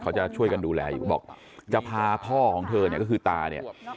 เขาจะช่วยกันดูแลอยู่บอกจะพาพ่อของเธอเนี่ยก็คือตาเนี่ย